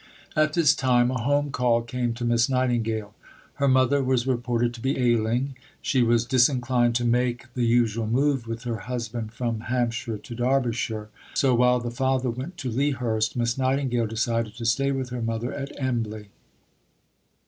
At this time a home call came to Miss Nightingale. Her mother was reported to be ailing. She was disinclined to make the usual move with her husband from Hampshire to Derbyshire; so, while the father went to Lea Hurst, Miss Nightingale decided to stay with her mother at Embley.